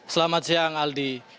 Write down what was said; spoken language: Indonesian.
selamat siang aldi